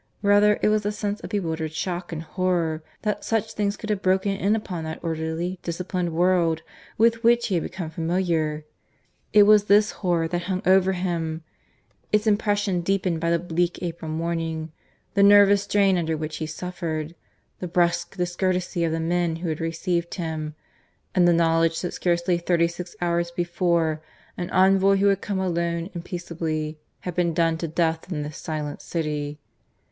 Rather it was a sense of bewildered shock and horror that such things could have broken in upon that orderly, disciplined world with which he had become familiar. It was this horror that hung over him its impression deepened by the bleak April morning, the nervous strain under which he suffered, the brusque discourtesy of the men who had received him, and the knowledge that scarcely thirty six hours before an envoy who had come alone and peaceably had been done to death in this silent city.